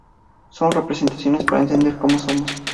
Son representaciones para entender como somos.